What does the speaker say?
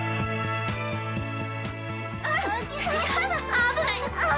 危ない！